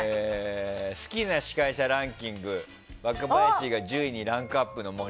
好きな司会者ランキング若林が１０位にランクアップの森。